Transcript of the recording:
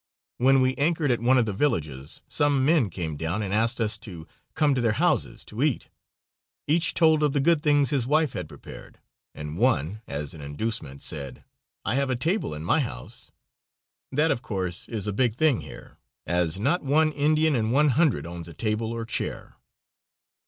When we anchored at one of the villages, some men came down and asked us to come to their houses to eat. Each told of the good things his wife had prepared, and one, as an inducement, said, "I have a table in my house." That, of course, is a big thing here, as not one Indian in one hundred owns a table or chair.